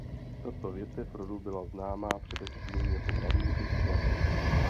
Tato větev rodu byla známa především jako malíři skla.